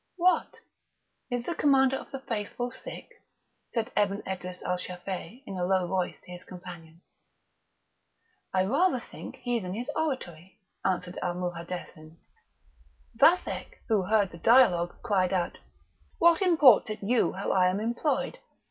"What! is the Commander of the Faithful sick?" said Ebn Edris al Shafei in a low voice to his companion. "I rather think he is in his oratory," answered Al Mouhadethin. Vathek, who heard the dialogue, cried out: "What imports it you how I am employed?